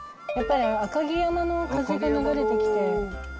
やっぱり赤城山の風が流れてきて。